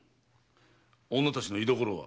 女たちの居所は？